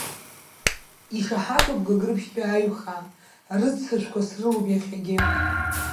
Ишаҳаҭуп Гагрыԥшьтәи аиҩхаа, рыццышәқәа срылоуп иахьагьы.